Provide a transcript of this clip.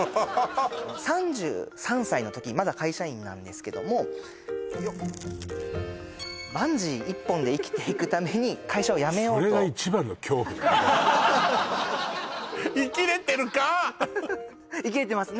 ３３歳の時まだ会社員なんですけどもよっバンジー１本で生きていくために会社を辞めようと生きれてます